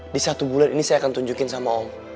di satu bulan ini saya akan tunjukin sama om